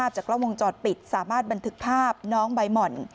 จากกล้องวงจรปิดสามารถบันทึกภาพน้องใบหม่อน